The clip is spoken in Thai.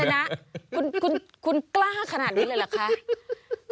ชนะคุณกล้าขนาดนี้เลยเหรอคะ